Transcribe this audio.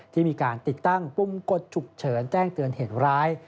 ที่มีการติดตั้งปุ่มกดฉุกเฉินแจ้งเตือนเหตุร้าย